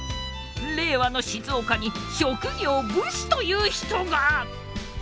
令和の静岡に職業武士という人が！？